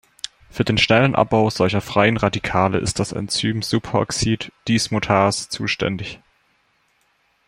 Für den schnellen Abbau solcher freien Radikale ist das Enzym Superoxid-Dismutase zuständig.